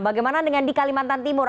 bagaimana dengan di kalimantan timur